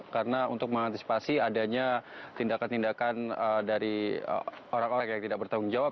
karena untuk mengantisipasi adanya tindakan tindakan dari orang orang yang tidak bertanggung jawab